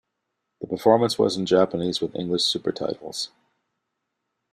The performance was in Japanese with English supertitles.